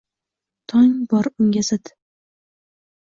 Tong bor unga zid